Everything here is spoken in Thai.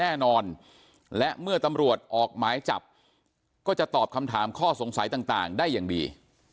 แน่นอนและเมื่อตำรวจออกหมายจับก็จะตอบคำถามข้อสงสัยต่างได้อย่างดี